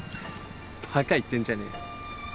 バカいってんじゃねえよ。